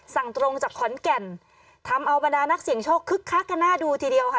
สั่งตรงจากขอนแก่นทำเอาบรรดานักเสี่ยงโชคคึกคักกันน่าดูทีเดียวค่ะ